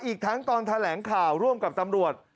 อีกทั้งตอนแถลงข่าวร่วมกับตำรวจ